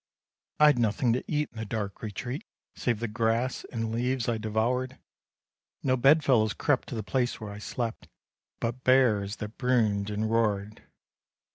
I'd nothing to eat in that dark retreat, Save the grass and leaves I devoured; No bed fellows crept to the place where I slept, But bears that brooned and roared.